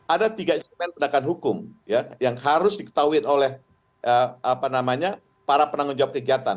ada tiga instrumen penegakan hukum yang harus diketahui oleh para penanggung jawab kegiatan